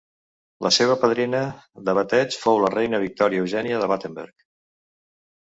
La seva padrina de bateig fou la reina Victòria Eugènia de Battenberg.